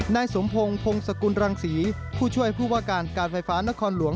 นายสมพงศ์พงศกุลรังศรีผู้ช่วยผู้ว่าการการไฟฟ้านครหลวง